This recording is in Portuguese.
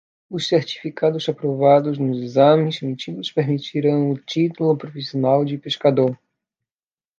Os certificados aprovados nos exames emitidos permitirão o título profissional de pescador.